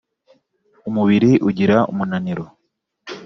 umubiri ugira umunaniro